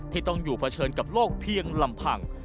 ที่ต้องอยู่เผชิญกับโลกเพียงลำพัง